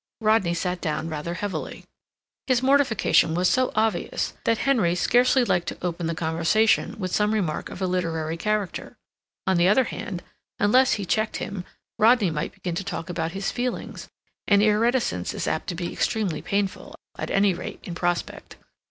Rodney sat down rather heavily. His mortification was so obvious that Henry scarcely liked to open the conversation with some remark of a literary character. On the other hand, unless he checked him, Rodney might begin to talk about his feelings, and irreticence is apt to be extremely painful, at any rate in prospect.